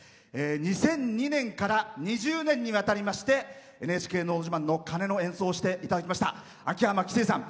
２００２年から２０年間にわたりまして「ＮＨＫのど自慢」の鐘の演奏をしていただきました秋山気清さん